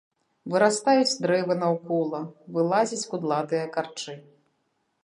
Вырастаюць дрэвы наўкола, вылазяць кудлатыя карчы.